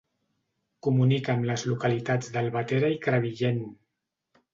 Comunica amb les localitats d'Albatera i Crevillent.